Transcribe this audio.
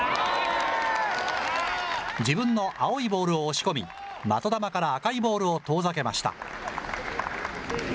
自分の青いボールを押し込み、的玉から赤いボールを遠ざけました。